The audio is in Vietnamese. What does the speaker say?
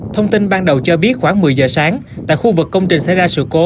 thông tin ban đầu cho biết khoảng một mươi giờ sáng tại khu vực công trình xảy ra sự cố